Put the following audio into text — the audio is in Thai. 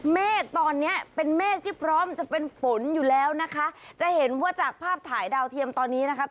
เมฆตอนเนี้ยเป็นเมฆที่พร้อมจะเป็นฝนอยู่แล้วนะคะจะเห็นว่าจากภาพถ่ายดาวเทียมตอนนี้นะคะ